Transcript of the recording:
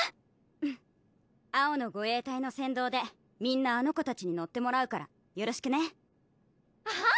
うん青の護衛隊の先導でみんなあの子たちに乗ってもらうからよろしくねあぁ